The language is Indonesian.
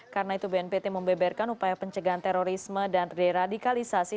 karena itu bnpt membeberkan upaya pencegahan terorisme dan radikalisasi